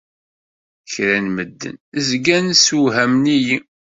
Kra n medden zgan ssewhamen-iyi.